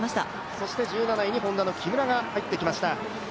そして１７位にＨｏｎｄａの木村が入ってきました。